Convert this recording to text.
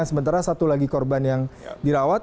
sementara satu lagi korban yang dirawat